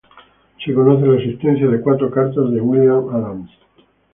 Se conoce la existencia de cuatro cartas de William Adams.